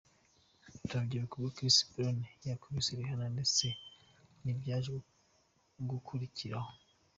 turabyibuka ubwo Chris Brown yakubise Rihanna ndetse nibyaje gukurikiraho.